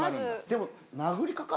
でも。